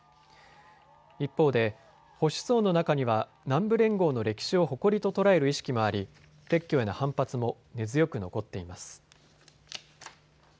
一方で保守党の中には南部連合の歴史を誇りと捉える意識もあり撤去への反発も根強く残っています。